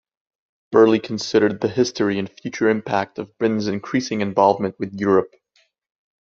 Birley considered the history and future impact of Britain's increasing involvement with Europe.